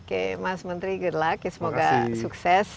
oke mas menteri good luck ya semoga sukses